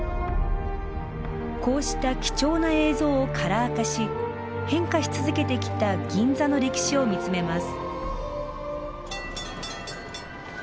こうした貴重な映像をカラー化し変化し続けてきた銀座の歴史を見つめます。